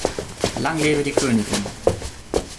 Lang lebe die Königin!